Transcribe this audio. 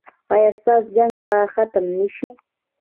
ایا ستاسو جنګ به ختم نه شي؟